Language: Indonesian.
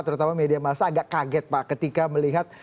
terutama media masa agak kaget pak ketika melihat